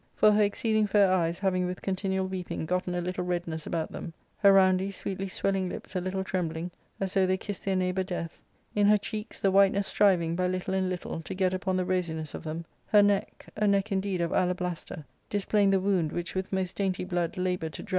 For her exceeding fair eyes having with continual weeping gotten a little redness about them ; her roundy, sweetly swelling lips a little trembling, as though they kissed their neighbour Death ; in her cheeks, the whiteness striving, by little and little, to get upon the rosiness of them ; her neck — a neck in deed of alablaster* — displaying the wound which with most dainty blood laboured to drown his own beauties ; so as here * Alablaster— T\i\% word (Gr.